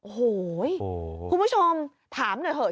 โอ้โหคุณผู้ชมถามหน่อยเถอะ